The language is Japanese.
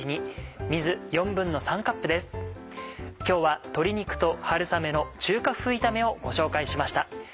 今日は鶏肉と春雨の中華風炒めをご紹介しました。